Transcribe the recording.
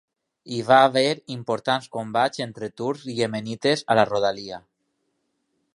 Hi va haver importants combats entre turcs i iemenites a la rodalia.